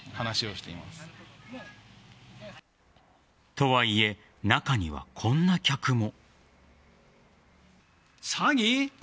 とはいえ、中にはこんな客も。